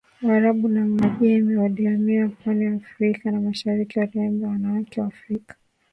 Waarabu na Waajemi waliohamia pwani ya Afrika ya Mashariki waliwaoa wanawake wa Afrika